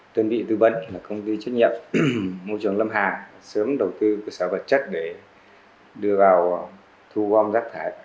tuyên bị tư vấn công ty trách nhiệm môi trường lâm hà sớm đầu tư cơ sở vật chất để đưa vào thu gom rác thải